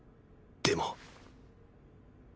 でも